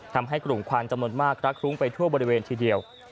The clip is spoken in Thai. ทำให้กลุ่มควันจำนวนมากรักคลุ้งไปทั่วบริเวณทีเดียว